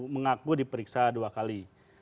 mengaku diperiksa dua kali